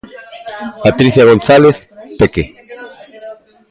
Patricia González 'Peque'.